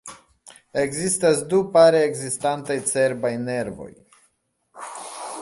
Ekzistas du pare ekzistantaj cerbaj nervoj.